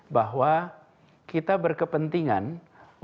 bahwa kita berkepentingan untuk membuat angka berurang